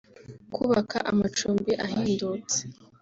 kubaka amacumbi ahendutse